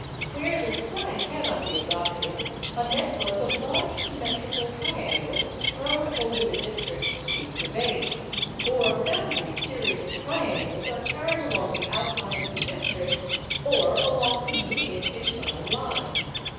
Where this plan cannot be adopted, a network of large symmetrical triangles is thrown over the district to be surveyed, or boundary series of triangles are carried along the outline of the district or along convenient internal lines.